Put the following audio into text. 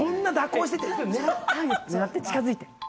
・狙って近づいて。